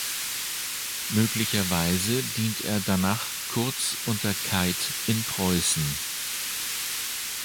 Möglicherweise dient er danach kurz unter Keith in Preußen.